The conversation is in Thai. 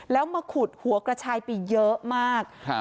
แล้วมาขุดหัวกระชายไปเยอะมากครับ